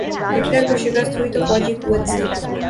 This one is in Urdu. ہٹلر کو شکست ہوئی تو فوجی قوت سے۔